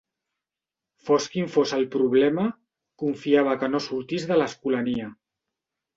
Fos quin fos el problema, confiava que no sortís de l'Escolania.